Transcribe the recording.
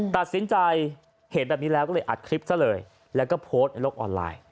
ตัดสินใจเห็นแบบนี้แล้วก็เลยอัดคลิปซะเลยแล้วก็โพสต์ในโลกออนไลน์